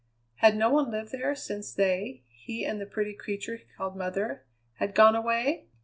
Had no one lived there since they, he and the pretty creature he called mother, had gone away?